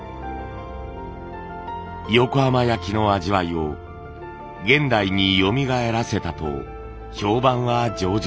横浜焼の味わいを現代によみがえらせたと評判は上々。